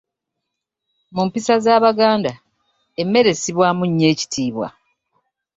Mu mpisa z'Abaganda emmere essibwamu nnyo ekitiibwa.